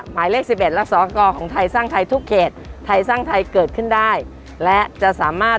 หมายเลขสิบเอ็ดและสอกรของไทยสร้างไทยทุกเขตไทยสร้างไทยเกิดขึ้นได้และจะสามารถ